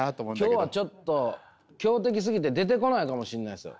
今日はちょっと強敵すぎて出てこないかもしれないですよ。